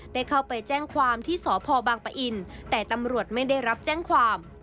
ได้เข้าไปแจ้งความที่สพบางปะอินแต่ตำรวจไม่ได้รับแจ้งความ